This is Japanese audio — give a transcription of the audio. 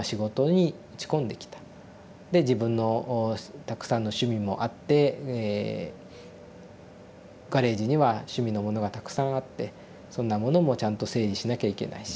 で自分のたくさんの趣味もあってガレージには趣味のものがたくさんあってそんなものもちゃんと整理しなきゃいけないし。